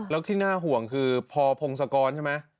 แล้วที่น่าห่วงคือพอพงศกรใช่ไหม